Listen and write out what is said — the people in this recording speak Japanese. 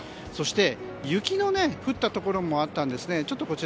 そして、雪の降ったところもあったんですね。